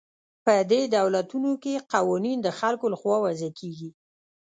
په دې دولتونو کې قوانین د خلکو له خوا وضع کیږي.